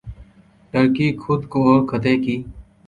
ترکی خود کو خطے کی